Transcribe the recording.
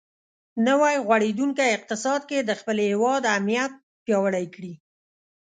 نوی غوړېدونکی اقتصاد کې د خپل هېواد اهمیت پیاوړی کړي.